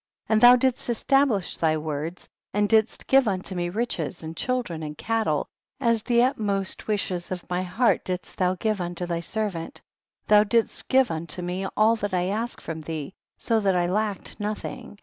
18. And thou didst establish thy words, and didst give unto me riches and children and cattle, as the ut most wishes of my heart didst thou give unto thy servant ; thou didst give unto me all that I asked from thee, so that I lacked nothing.